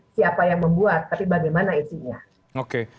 siapa yang membuat tapi bagaimana isinya